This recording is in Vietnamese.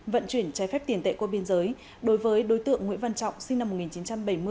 vận chuyển trái phép tiền tệ qua biên giới đối với đối tượng nguyễn văn trọng sinh năm một nghìn chín trăm bảy mươi